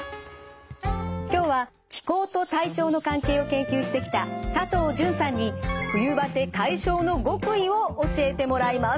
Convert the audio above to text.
今日は気候と体調の関係を研究してきた佐藤純さんに冬バテ解消の極意を教えてもらいます。